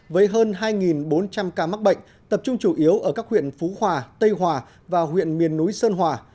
với hơn hai bốn trăm linh ca mắc bệnh tập trung chủ yếu ở các huyện phú hòa tây hòa và huyện miền núi sơn hòa